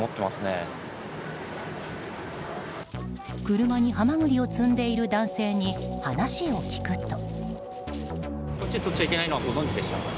車にハマグリを積んでいる男性に話を聞くと。